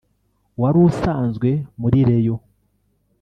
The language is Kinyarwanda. wari usanzwe muri Rayon